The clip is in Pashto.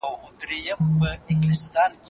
د ژوند کچه باید تر پخوا ښه سي.